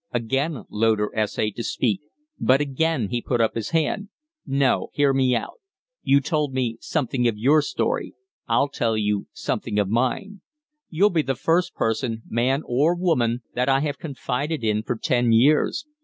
Again Loder essayed to speak, but again he put up his hand. "No. Hear me out. You told me something of your story. I'll tell you something of mine. You'll be the first person, man or woman, that I have confided in for ten years.